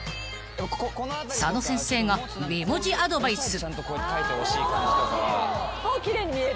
［佐野先生が美文字アドバイス］